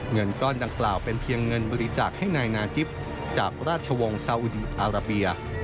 เงินก้อนดังกล่าวเป็นเพียงเงินบริจาคให้นายนาจิปจากราชวงศ์ซาอุดีอาราเบีย